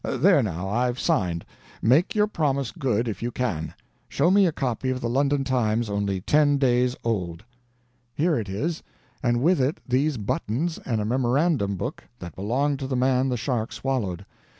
There, now I've signed; make your promise good if you can. Show me a copy of the London Times only ten days old." "Here it is and with it these buttons and a memorandum book that belonged to the man the shark swallowed.